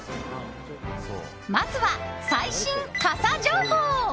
まずは、最新傘情報。